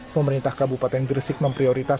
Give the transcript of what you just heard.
pemerintah kabupaten gresik memprioritas